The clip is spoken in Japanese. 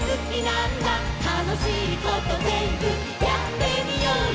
「たのしいことぜんぶやってみようよ」